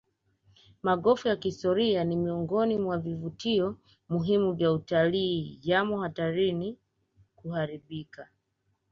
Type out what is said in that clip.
Magofu ya kihistoria ni miongoni mwa vivutio muhimu vya utalii yamo hatarini kuharibika